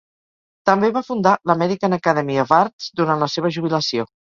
També va fundar l'American Academy of Arts durant la seva jubilació.